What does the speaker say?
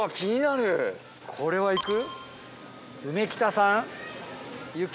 これは行く？